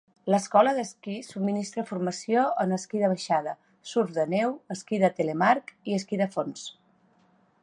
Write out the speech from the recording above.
L'escola d'esquí subministra formació en esquí de baixada, surf de neu, esquí de telemarc i esquí de fons.